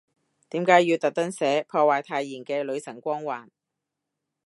點解要特登寫，破壞太妍嘅女神光環